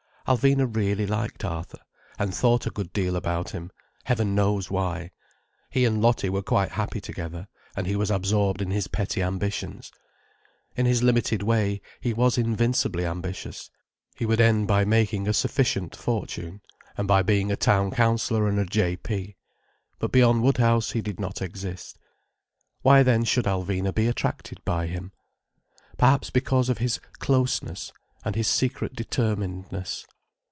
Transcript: Alvina really liked Arthur, and thought a good deal about him—heaven knows why. He and Lottie were quite happy together, and he was absorbed in his petty ambitions. In his limited way, he was invincibly ambitious. He would end by making a sufficient fortune, and by being a town councillor and a J.P. But beyond Woodhouse he did not exist. Why then should Alvina be attracted by him? Perhaps because of his "closeness," and his secret determinedness.